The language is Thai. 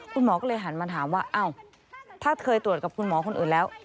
คุณหมอก็เลยหันมาถามว่าอ้าวถ้าเคยตรวจกับคุณหมอคนอื่นแล้ว